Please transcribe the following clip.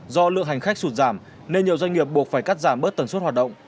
do lượng hành khách sụt giảm nên nhiều doanh nghiệp buộc phải cắt giảm bớt tần suất hoạt động